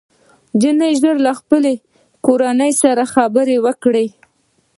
نجلۍ ژر له خپلې کورنۍ سره خبرې وکړې